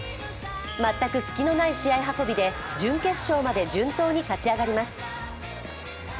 全く隙のない試合運びで準決勝まで順当に勝ち上がります。